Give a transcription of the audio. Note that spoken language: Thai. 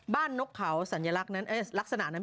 บ้านนกเขานั้นนั้นรักษณะนั้น